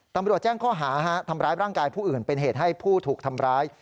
ตำรวจแจ้งข้อหาทำร้ายร่างกายผู้อื่นเป็นเหตุให้ผู้ถูกทำร้าย